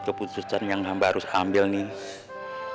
keputusan yang hamba harus ambil nih